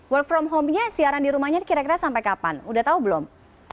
work from home nya siaran di rumahnya kira kira sampai kapan udah tahu belum